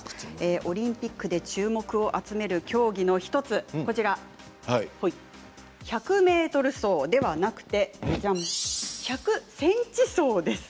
オリンピックで注目を集める競技の１つ１００ｍ走ではなくて１００ｃｍ走です